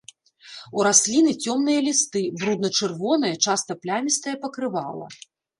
У расліны цёмныя лісты, брудна-чырвонае, часта плямістае пакрывала.